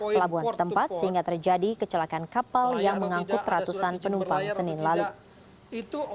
pelabuhan setempat sehingga terjadi kecelakaan kapal yang mengangkut ratusan penumpang senin lalu itu